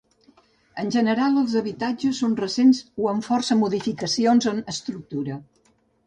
En general els habitatges són recents o amb força modificacions en estructura.